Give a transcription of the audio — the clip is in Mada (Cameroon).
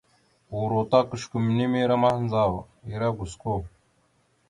Uro ta kʉsəkumere mahəndzaw ere gosko.